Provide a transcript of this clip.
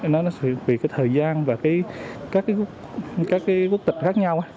nó sẽ bị thời gian và các quốc tịch khác nhau